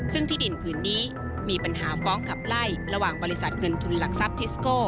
ซึ่งที่ดินผืนนี้มีปัญหาฟ้องขับไล่ระหว่างบริษัทเงินทุนหลักทรัพย์ทิสโก้